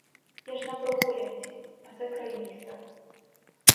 Я ж на прогулянці, а це край міста.